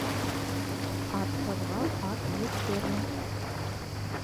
Атһыҙға ат ектермә